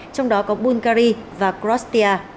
trong đó có bulgari và kostya